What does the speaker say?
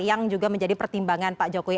yang juga menjadi pertimbangan pak jokowi